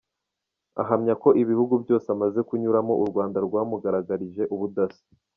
Ahamya ko muri ibyo bihugu byose amaze kunyuramo u Rwanda rwamugaragarije ubudasa.